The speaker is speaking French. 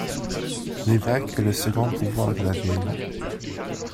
L'évêque est le second pouvoir de la ville.